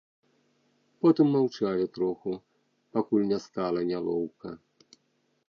Потым маўчалі троху, пакуль не стала нялоўка.